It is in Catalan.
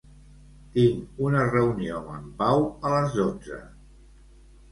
Tinc una reunió amb en Pau a les dotze.